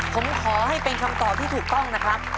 ผมขอให้เป็นคำตอบที่ถูกต้องนะครับ